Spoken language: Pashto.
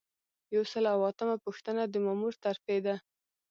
یو سل او اتمه پوښتنه د مامور ترفیع ده.